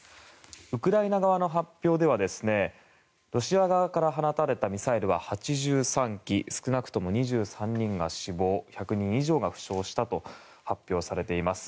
ウクライナ側の発表ではロシア側から放たれたミサイルは８３基で少なくとも２３人が死亡１００人以上が負傷したと発表されています。